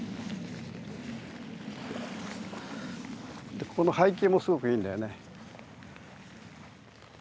でこの背景もすごくいいんだよね。